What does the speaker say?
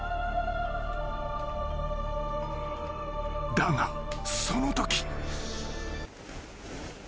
［だがそのとき］